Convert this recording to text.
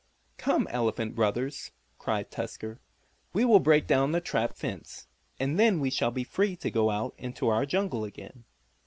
"Come, Elephant brothers!" cried Tusker. "We will break down the trap fence, and then we shall be free to go out into our jungle again."